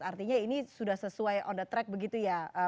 artinya ini sudah sesuai on the track begitu ya